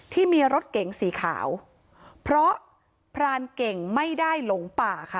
ที่มีรถเก๋งสีขาวเพราะพรานเก่งไม่ได้หลงป่าค่ะ